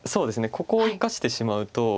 ここを生かしてしまうと。